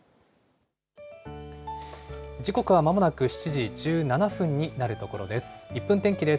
時刻はまもなく７時１７分になるところです。